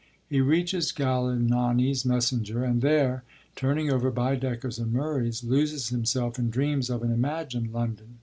He reaches Galignani's Messenger, and there, turning over Baedekers and Murrays, loses himself in dreams of an imagined London.